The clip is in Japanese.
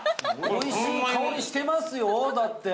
◆おいしい香りしてますよだって。